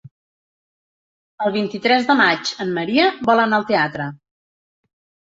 El vint-i-tres de maig en Maria vol anar al teatre.